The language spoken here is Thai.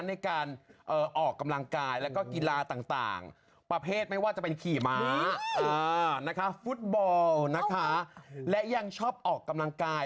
ในการออกกำลังกายแล้วก็กีฬาต่าง